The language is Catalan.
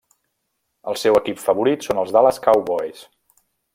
El seu equip favorit són els Dallas Cowboys.